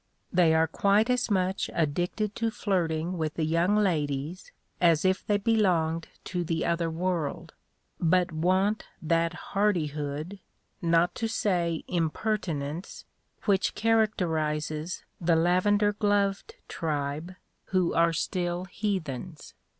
They are quite as much addicted to flirting with the young ladies as if they belonged to the other world, but want that hardihood, not to say impertinence, which characterises the lavender gloved tribe who are still heathens.